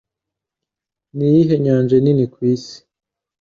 Niyihe nyanja nini ku isi